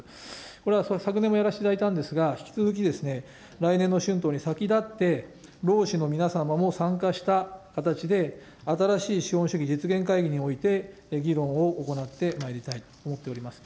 これは昨年もやらせていただいたんですが、引き続き、来年の春闘に先立って、労使の皆様も参加した形で、新しい資本主義実現会議において議論を行ってまいりたいと思っております。